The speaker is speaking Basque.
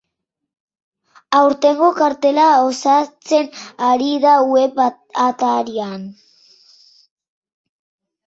Aurtengo kartela osatzen ari da web atarian.